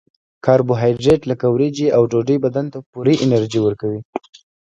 کاربوهایدریت لکه وریجې او ډوډۍ بدن ته فوري انرژي ورکوي